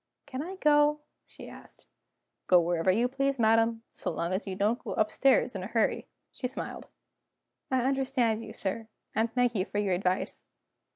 "Can I go?" she asked. "Go wherever you please, madam so long as you don't go upstairs in a hurry." She smiled: "I understand you, sir and thank you for your advice."